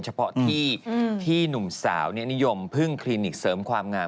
เฉพาะที่ที่หนุ่มสาวนิยมพึ่งคลินิกเสริมความงาม